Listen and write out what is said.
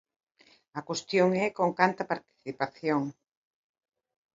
A cuestión é con canta participación.